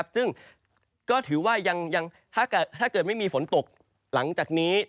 ซึ่งก็ถือว่าถ้าเกิดไม่มีฝนตกหลังจากนี้